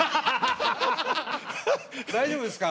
大丈夫ですか？